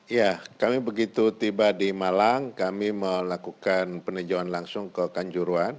ya kami begitu tiba di malang kami melakukan peninjauan langsung ke kanjuruan